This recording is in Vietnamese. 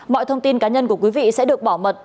mọi thông tin cá nhân của quý vị sẽ được bảo mật